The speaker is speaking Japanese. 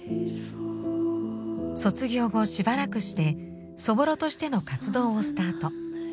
卒業後しばらくして「そぼろ」としての活動をスタート。